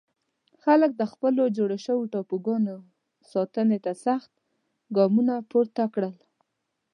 خلک د خپلو جوړ شوو ټاپوګانو ساتنې ته سخت ګامونه پورته کړل.